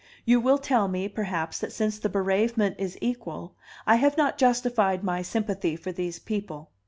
You will tell me, perhaps, that since the bereavement is equal, I have not justified my sympathy for these people.